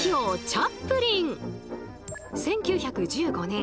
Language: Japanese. １９１５年